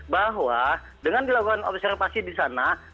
bahwa dengan dilakukan observasi di sana